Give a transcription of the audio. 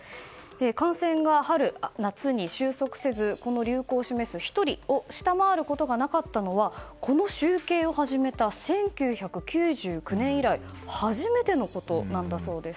感染が春、夏に収束せず流行を示す１人を下回ることがなかったのはこの集計を始めた１９９９年以来初めてのことなんだそうです。